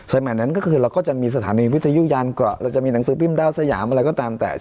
สมัยนั้นก็คือเราก็จะมีสถานีวิทยุยานเกาะเราจะมีหนังสือพิมพ์ดาวสยามอะไรก็ตามแต่